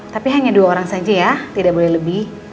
tapi hanya dua orang saja ya tidak boleh lebih